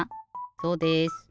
そうです。